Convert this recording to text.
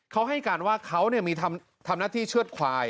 เขาให้การว่าเขามีทำหน้าที่เชื่อดควาย